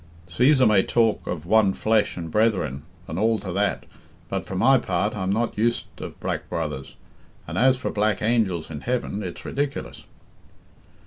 Cæsar may talk of one flesh and brethren and all to that, but for my part I'm not used of black brothers, and as for black angels in heaven, it's ridiculous."